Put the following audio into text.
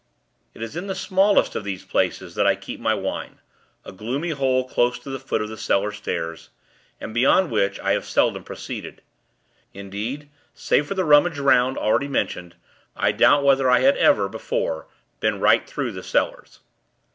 It is in the smallest of these places that I keep my wine; a gloomy hole close to the foot of the cellar stairs; and beyond which, I have seldom proceeded. Indeed, save for the rummage 'round, already mentioned, I doubt whether I had ever, before, been right through the cellars.